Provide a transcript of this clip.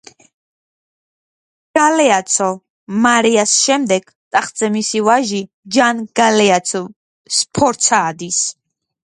გალეაცო მარიას შემდეგ, ტახტზე მისი ვაჟი ჯან გალეაცო სფორცა ადის.